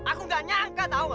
aku gak nyangka tau